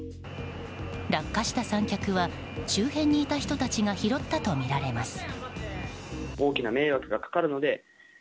落下した三脚は周辺にいた人たちが拾ったとみられます。